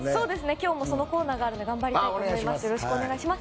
今日もそのコーナーがあるので頑張りたいと思います。